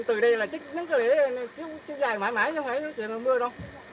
từ đây là những lễ cứ dài mãi mãi chứ không phải mưa đâu